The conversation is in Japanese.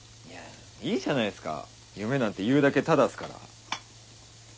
いいじゃないっすか夢なんて言うだけタダっすから。